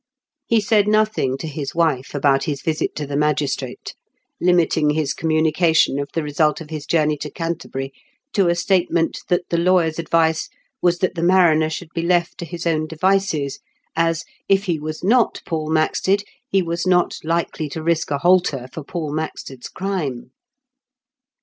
He said nothing to his wife about his visit to the magistrate, limiting his communication of the result of his journey to Canterbury to a statement that the lawyer's advice was that the mariner should be left to his own devices, as, if he was not Paul Maxted, he was not likely to risk a halter for Paul Maxted's crime.